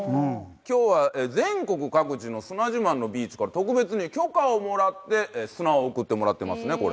今日は全国各地の砂自慢のビーチから特別に許可をもらって砂を送ってもらってますねこれ。